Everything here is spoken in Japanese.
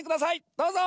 どうぞ！